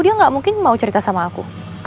dia gak mungkin mau cerita sama aku